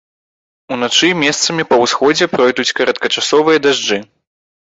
Уначы месцамі па ўсходзе пройдуць кароткачасовыя дажджы.